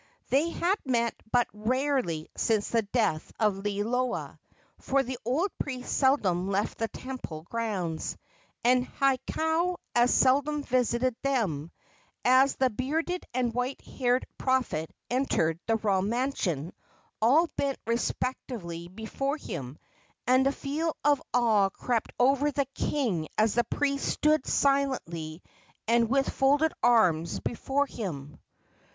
They had met but rarely since the death of Liloa, for the old priest seldom left the temple grounds, and Hakau as seldom visited them; and as the bearded and white haired prophet entered the royal mansion, all bent respectfully before him, and a feeling of awe crept over the king as the priest stood silently and with folded arms before him.